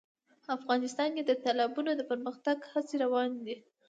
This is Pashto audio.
افغانستان کې د تالابونه د پرمختګ هڅې روانې دي.